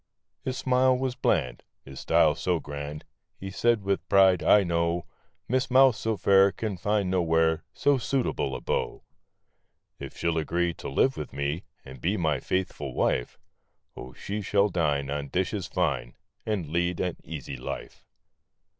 His smile was bland ; His style so grand, He said with pride, " I know Miss Mouse so fair, Can find nowhere So suitable a beau !" If she'll agree To live with me, And be my faithful wife, Oh, she shall dine On dishes fine, And lead an easy life."